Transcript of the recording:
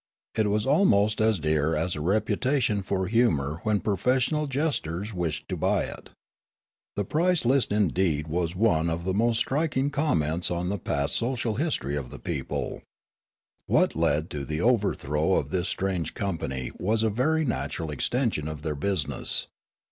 It was almost as dear as a reputation for humour when professional jesters wished to buy it. The price list indeed was one of the most striking comments on the past social history of the people. The Organisation of Repute 73 What led to the overthrow of this strange company was a very natural extension of their business.